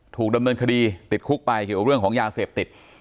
ถูกดำเนินคดีติดคุกไปเกี่ยวกับเรื่องของยาเสพติด